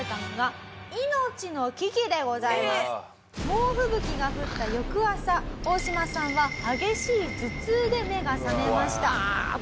猛吹雪が降った翌朝オオシマさんは激しい頭痛で目が覚めました。